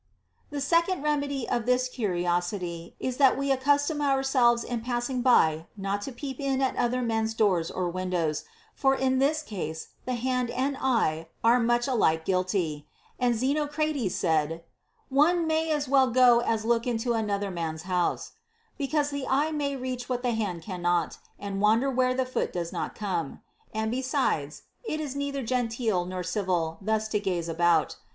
12. The second remedy of this curiosity is that we ac custom ourselves in passing by not to peep in at other men's doors or windows, for in this case the hand and eye are much alike guilty ; and Xenocrates said, " One may as well go as look into another man's house," because the eye may reach what the hand cannot, and wander where the foot does not come. And besides, it is neither genteel nor civil thus to gaze about.